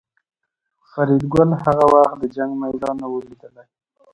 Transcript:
فریدګل هغه وخت د جنګ میدان نه و لیدلی